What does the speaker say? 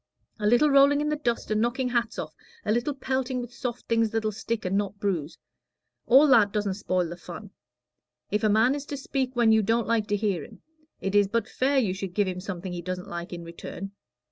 A little rolling in the dust and knocking hats off, a little pelting with soft things that'll stick and not bruise all that doesn't spoil the fun. If a man is to speak when you don't like to hear him, it is but fair you should give him something he doesn't like in return.